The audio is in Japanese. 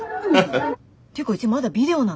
ていうかうちまだビデオなの？